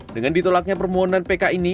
dengan ditolaknya permohonan pk ini